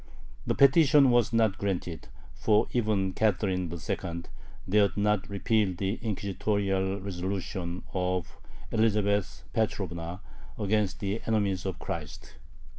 The petition was not granted, for even Catherine II. "dared not" repeal the inquisitorial resolution of Elizabeth Petrovna against "the enemies of Christ."